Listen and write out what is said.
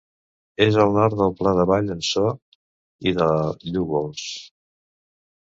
És al nord del Pla de Vall en So i de Llúgols.